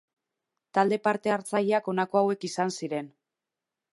Talde parte-hartzaileak honako hauek izan ziren.